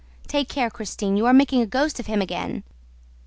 "Take care, Christine, you are making a ghost of him again!"